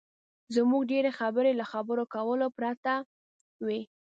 زموږ ډېرې خبرې له خبرو کولو پرته وي.